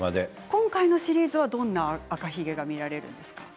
今回のシリーズはどんな赤ひげが見られるんですか。